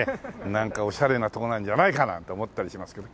なんかオシャレなとこなんじゃないかなんて思ったりしますけど。